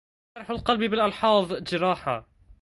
جرح القلب باللحاظ جراحا